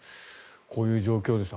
こういう状況です